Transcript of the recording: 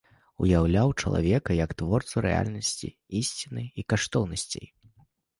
Уяўляў чалавека як творцу рэальнасці, ісціны і каштоўнасцей.